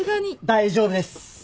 大丈夫です。